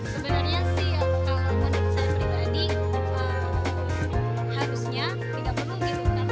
sebenarnya sih saya pribadi harusnya tidak penuh gitu karena